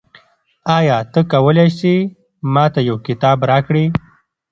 آیا ته کولای سې ما ته یو کتاب راکړې؟